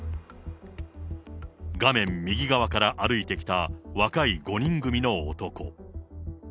画面右側から歩いてきた若い５人組の男。